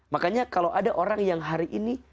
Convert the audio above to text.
makanya kalau ada orang yang hari ini